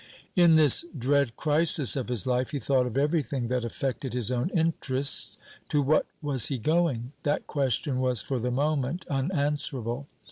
In this dread crisis of his life he thought of everything that affected his own interests. To what was he going? That question was for the moment unanswerable.